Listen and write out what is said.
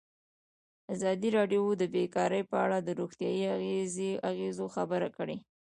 ازادي راډیو د بیکاري په اړه د روغتیایي اغېزو خبره کړې.